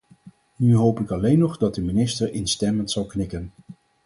Nu hoop ik alleen nog dat de minister instemmend zal knikken.